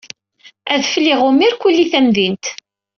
Adfel iɣumm irkelli tamdint.